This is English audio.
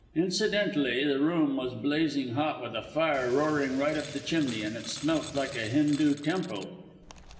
Incidentally, the room was blazing hot, with a fire roaring right up the chimney, and it smelt like a Hindu temple."